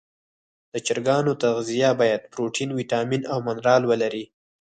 د چرګانو تغذیه باید پروټین، ویټامین او منرال ولري.